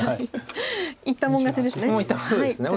言ったもん勝ちですね。